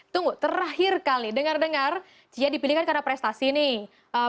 tunggu terakhir kali dengar dengar cia dipilihkan karena prestasi nih